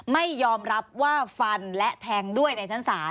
ไม่ยอมรับว่าฟันและแทงด้วยในชั้นศาล